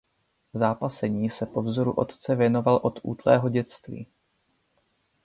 Zápasení se po vzoru otce věnoval od útlého dětství.